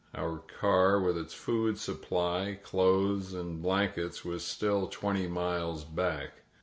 Our car, with its food supply, clothes and blankets, was still twenty miles back.